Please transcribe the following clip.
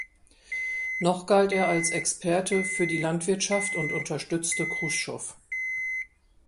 Noch galt er als Experte für die Landwirtschaft und unterstützte Chruschtschow.